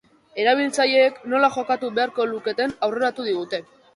Erabiltzaileek nola jokatu beharko luketen aurreratu digute.